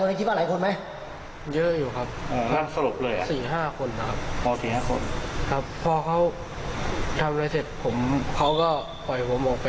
ผมก็ฉี่เขากลับบ้านอยู่เลย